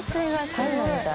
サウナみたい。